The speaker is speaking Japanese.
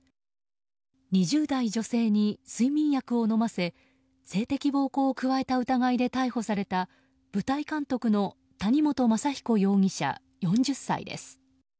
２０代女性に睡眠薬を飲ませ性的暴行を加えた疑いで逮捕された舞台監督の谷本雅彦容疑者、４０歳です。